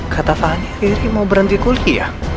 kata fahmi riri mau berhenti kuliah